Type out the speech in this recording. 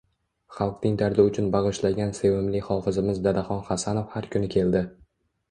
xalqning dardi uchun bag’ishlagan sevimli hofizimiz Dadaxon Xasanov har kuni keldi.